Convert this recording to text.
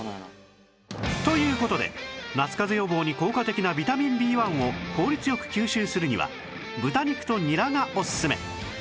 という事で夏かぜ予防に効果的なビタミン Ｂ１ を効率良く吸収するには豚肉とニラがオススメ